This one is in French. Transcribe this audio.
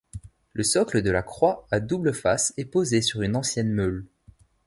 Le socle de la croix à double face est posée sur une ancienne meule.